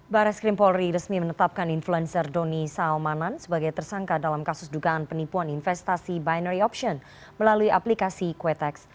bares krim polri resmi menetapkan influencer doni salmanan sebagai tersangka dalam kasus dugaan penipuan investasi binary option melalui aplikasi quitex